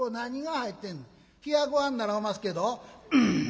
「冷やごはんならおますけど」。